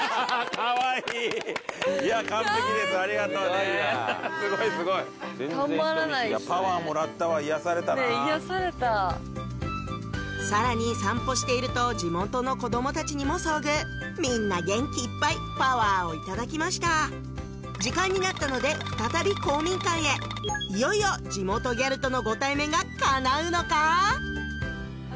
カワイイいや完璧ですありがとうねすごいわすごいすごい全然人見知りしないいやパワーもらったわ癒やされたなねえ癒やされたさらに散歩していると地元の子どもたちにも遭遇みんな元気いっぱいパワーをいただきました時間になったので再び公民館へいよいよ地元ギャルとのご対面がかなうのか？